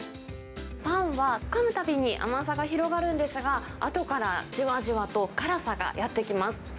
パンはかむたびに甘さが広がるんですが、あとからじわじわと辛さがやってきます。